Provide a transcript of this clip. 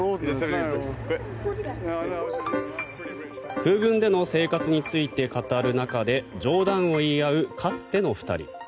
空軍での生活について語る中で冗談を言い合うかつての２人。